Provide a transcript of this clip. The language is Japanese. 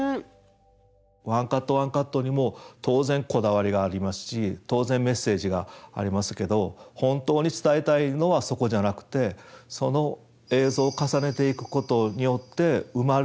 ワンカットワンカットにも当然こだわりがありますし当然メッセージがありますけど本当に伝えたいのはそこじゃなくてそのっていうか。